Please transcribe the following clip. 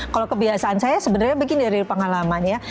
kalau kebiasaan saya sebenarnya begini dari pengalaman ya